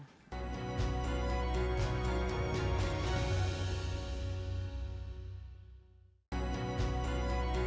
bagaimana cara menjual makanan